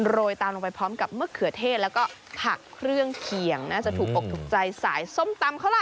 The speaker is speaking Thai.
โรยตามลงไปพร้อมกับมะเขือเทศแล้วก็ผักเครื่องเคียงน่าจะถูกอกถูกใจสายส้มตำเขาล่ะ